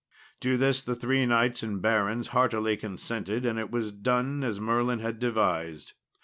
To this the three knights and the barons heartily consented, and it was done as Merlin had devised.